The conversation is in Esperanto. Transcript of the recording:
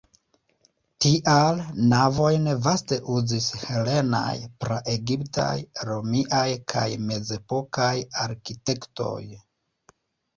Tial navojn vaste uzis helenaj, pra-egiptaj, romiaj kaj mezepokaj arkitektoj.